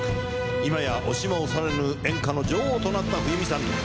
今や押しも押されぬ演歌の女王となった冬美さん。